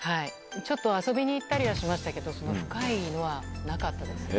ちょっと遊びに行ったりはしましたけど、深いのはなかったです。